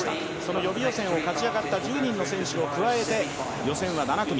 予備予選を勝ち上がった１０人の選手を加えて予選は７組。